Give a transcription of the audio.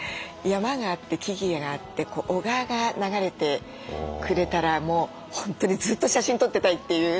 山があって木々があって小川が流れてくれたらもう本当にずっと写真撮ってたいっていう。